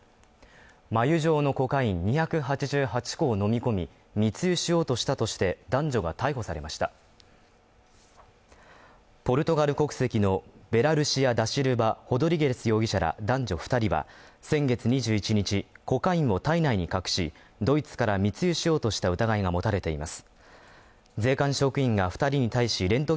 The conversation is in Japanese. まゆ状のコカイン２８８個を飲み込み密輸しようとしたとして男女が逮捕されましたポルトガル国籍のヴェラ・ルシア・ダ・シルバ・ホドリゲス容疑者ら男女２人は先月２１日コカインを体内に隠し、ドイツから密輸しようとした疑いが持たれています。